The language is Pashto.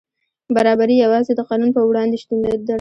برابري یوازې د قانون په وړاندې شتون درلود.